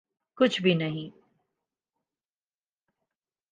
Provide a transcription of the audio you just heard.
کچھ بھی نہیں۔